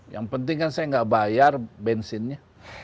yang penting kan saya nggak bayar bensinnya